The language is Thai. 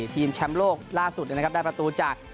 ทีมแชมป์โลกล่าสุดนะครับได้ประตูจาก